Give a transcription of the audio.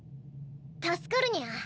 助かるニャ。